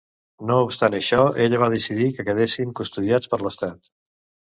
No obstant això ella va decidir que quedessin custodiats per l'estat.